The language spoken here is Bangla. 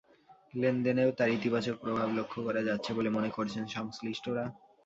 লেনদেনেও তার ইতিবাচক প্রভাব লক্ষ করা যাচ্ছে বলে মনে করছেন সংশ্লিষ্টরা।